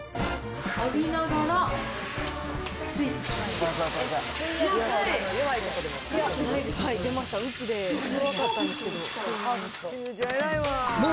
浴びながら、スイッチオン。